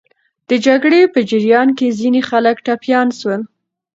د جګړې په جریان کې ځینې خلک ټپیان سول.